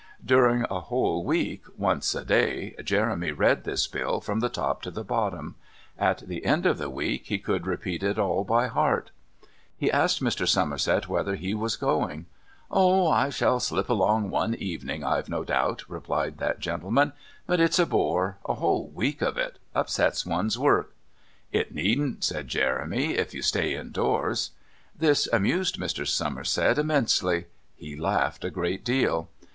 During a whole week, once a day, Jeremy read this bill from the top to the bottom; at the end of the week he could repeat it all by heart. He asked Mr. Somerset whether he was going. "Oh, I shall slip along one evening, I've no doubt," replied that gentleman. "But it's a bore a whole week of it upsets one's work." "It needn't," said Jeremy, "if you stay indoors." This amused Mr. Somerset immensely. He laughed a great deal.